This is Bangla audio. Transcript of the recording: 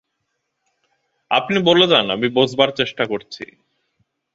আপনি বলে যান, আমি বোঝবার চেষ্টা করছি।